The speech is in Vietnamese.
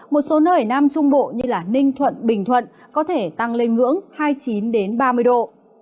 một số nơi ở nam trung bộ như ninh thuận bình thuận có thể tăng lên ngưỡng hai mươi chín ba mươi độ